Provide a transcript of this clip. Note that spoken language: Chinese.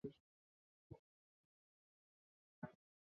穿孔瘤胸蛛为皿蛛科瘤胸蛛属的动物。